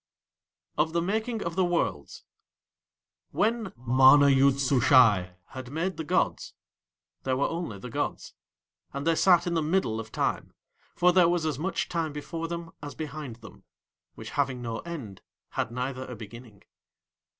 OF THE MAKING OF THE WORLDS When MANA YOOD SUSHAI had made the gods there were only the gods, and They sat in the middle of Time, for there was as much Time before them as behind them, which having no end had neither a beginning.